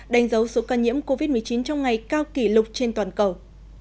đánh dấu số ca nhiễm covid một mươi chín trong ngày cao kỷ lục trên toàn cầu